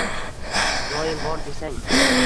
Doim bor desang.